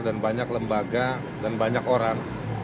dan banyak lembaga dan banyak orang